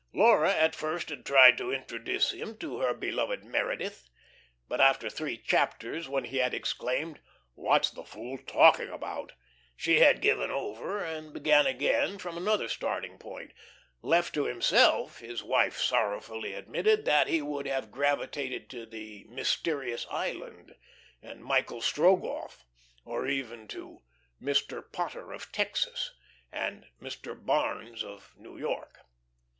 Laura at first had tried to introduce him to her beloved Meredith. But after three chapters, when he had exclaimed, "What's the fool talking about?" she had given over and begun again from another starting point. Left to himself, his wife sorrowfully admitted that he would have gravitated to the "Mysterious Island" and "Michael Strogoff," or even to "Mr. Potter of Texas" and "Mr. Barnes of New York."